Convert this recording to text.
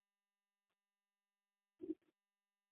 na ukiangalia jumuiya ya nchi za